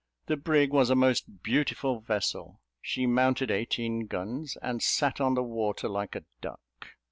The brig was a most beautiful vessel. She mounted eighteen guns, and sat on the water like a duck.